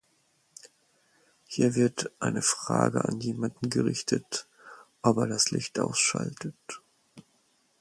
Hier wird eine Frage an jemanden gerichtet, ob er das Licht ausschaltet.